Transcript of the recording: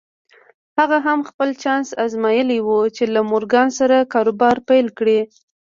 هغه هم خپل چانس ازمايلی و چې له مورګان سره کاروبار پيل کړي.